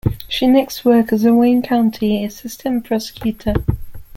She next worked as a Wayne County Assistant Prosecutor.